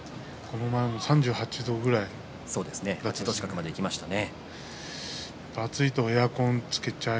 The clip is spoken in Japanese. この前も３８度ぐらいまでいきましたね。